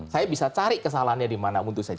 saya bisa cari kesalahannya dimana untuk saya jerat